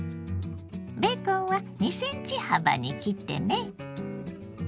ベーコンは２ｃｍ幅に切ってね。